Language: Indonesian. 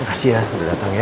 terima kasih ya udah datang ya